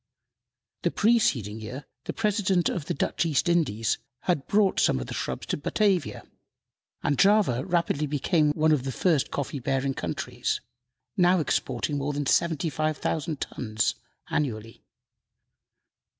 The preceding year the President of the Dutch East Indies had brought some of the shrubs to Batavia, and Java rapidly became one of the first coffee bearing countries now exporting more than 75,000 tons annually.